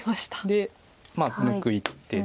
で抜く一手で。